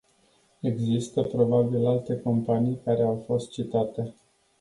Există, probabil, alte companii care au fost citate.